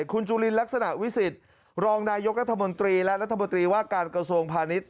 คุณจุลินลักษณะวิสิทธิ์รองนายกรัฐมนตรีและรัฐมนตรีว่าการกระทรวงพาณิชย